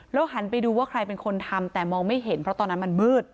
หันไปดูว่าใครเป็นคนทำแต่มองไม่เห็นเพราะตอนนั้นมันมืด